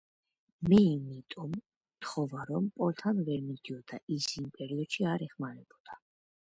მე იმიტომ მთხოვა, რომ პოლთან ვერ მიდიოდა, ის იმ პერიოდში არ ეხმარებოდა.